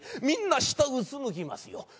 みんな下うつむきますよ。